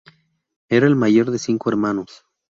Era el mayor de cinco hermanos.